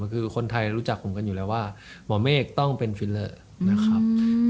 คือคนไทยรู้จักผมกันอยู่แล้วว่าหมอเมฆต้องเป็นฟิลเลอร์นะครับ